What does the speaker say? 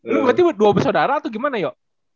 lo berarti dua bersaudara atau gimana yo